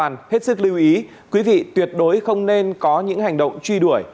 để đảm bảo an toàn hết sức lưu ý quý vị tuyệt đối không nên có những hành động truy đuổi